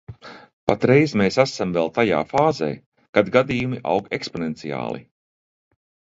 Patreiz mēs esam vēl tajā fāzē, kad gadījumi aug eksponenciāli.